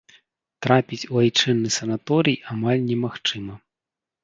Трапіць у айчынны санаторый амаль немагчыма.